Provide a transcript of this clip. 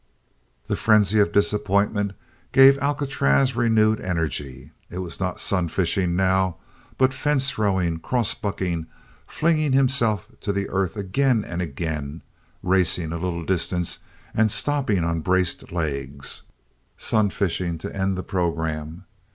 The frenzy of disappointment gave Alcatraz renewed energy. It was not sun fishing now, but fence rowing, cross bucking, flinging himself to the earth again and again, racing a little distance and stopping on braced legs, sun fishing to end the programme.